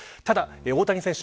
大谷選手